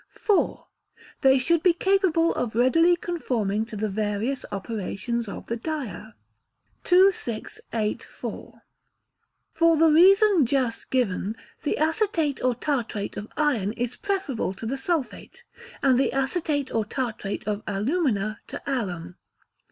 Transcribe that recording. iv. They should be capable of readily conforming to the various operations of the dyer. 2684. The Mordants. For the reasons just given, the acetate or tartrate of iron is preferable to the sulphate; and the acetate or tartrate of alumina to alum.